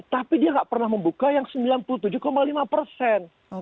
tapi dia nggak pernah membuka yang sembilan puluh tujuh lima persen